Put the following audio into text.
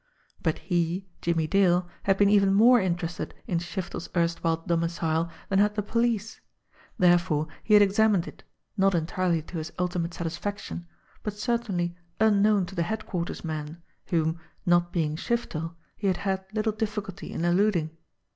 But he, Jimmie Dale, had been even more interested in Shiftel's erstwhile domicile than had the police; therefore he had examined it, not entirely to his ultimate satisfaction, but certainly unknown to the headquarters men, whom, not being Shiftel, he had had little difficulty in eluding.